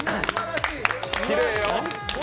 きれいよ。